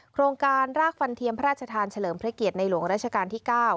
โครงการรากฟันเทียมพระราชทานเฉลิมพระเกียรติในหลวงราชการที่๙